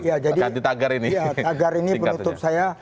ya jadi agar ini penutup saya